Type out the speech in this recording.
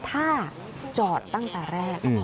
ถ้าจอดตั้งแต่แรก